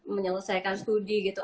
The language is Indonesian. menyelesaikan studi gitu